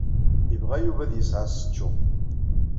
Yebɣa Yuba ad yesɛu asečču.